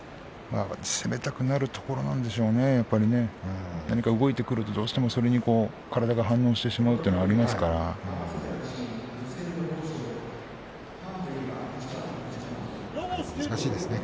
攻めたくなるところなんでしょうね、やっぱりね何が動いてくるとどうしてもそれに体が反応してしまうという難しいですね